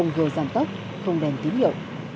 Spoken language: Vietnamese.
vừa dàn tốc không đèn tín hiệu